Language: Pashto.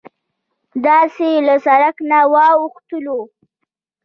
داسې له سرک نه واوښتوو.